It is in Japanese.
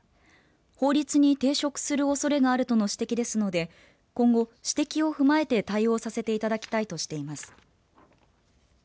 法律に抵触するおそれがあるとの指摘ですので今後、指摘を踏まえて対応させていただきたいとしています。